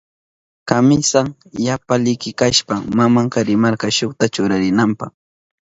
Kamisan yapa liki kashpan mamanka rimarka shukta churarinanpa.